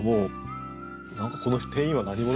何かこの店員は何者？